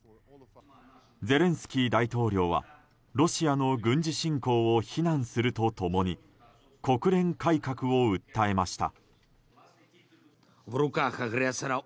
ゼレンスキー大統領は、ロシアの軍事侵攻を非難すると共に国連改革を訴えました。